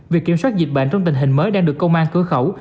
việc kiểm soát dịch bệnh trong tình hình mới đang được công an cửa khẩu